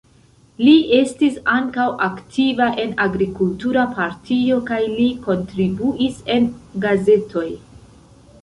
Li estis ankaŭ aktiva en agrikultura partio kaj li kontribuis en gazetoj.